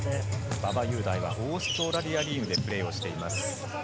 馬場雄大はオーストラリアリーグでプレーしています。